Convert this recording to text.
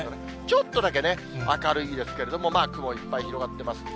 ちょっとだけね、明るいですけど、雲いっぱい広がってます。